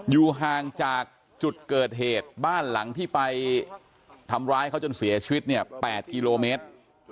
อยู่ห่างจากจุดเกิดเหตุบ้านหลังที่ไปทำร้ายเขาจนเสียชีวิตเนี่ย๘กิโลเมตร